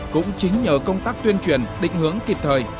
cũng chính nhờ công tác tuyên truyền định hướng kịp thời